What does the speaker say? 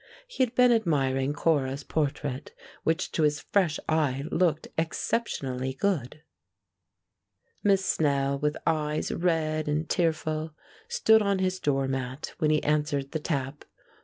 He had been admiring Cora's portrait, which to his fresh eye looked exceptionally good. Miss Snell, with eyes red and tearful, stood on his door mat when he answered the tap.